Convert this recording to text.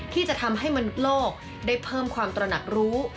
ที่จะทำให้มนุษย์โลกได้เพิ่มความตระหนักรู้